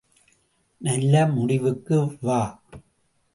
நல்ல முடிவுக்கு வா!